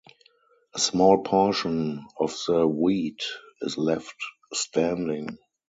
A small portion of the wheat is left standing.